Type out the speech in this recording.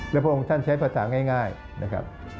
และพระองค์ท่านใช้ภาษาง่ายนะครับ